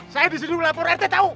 saya disini dulu lapor rt tahu